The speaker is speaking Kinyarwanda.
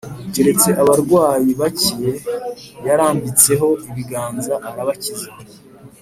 keretse abarwayi bake yarambitseho ibiganza, arabakiza.